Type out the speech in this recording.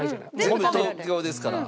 全部東京ですから。